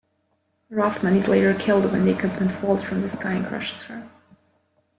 Rothman is later killed when the equipment falls from the sky and crushes her.